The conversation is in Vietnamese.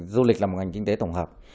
du lịch là một ngành kinh tế tổng hợp